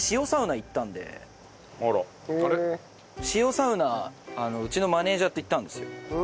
塩サウナうちのマネージャーと行ったんですよ。